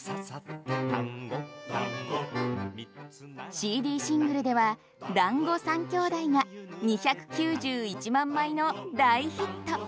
ＣＤシングルでは「だんご３兄弟」が２９１万枚の大ヒット。